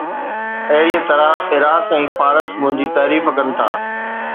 اهڙيءَ طرح عراق ۽ فارس منهنجي تعريف ڪن ٿا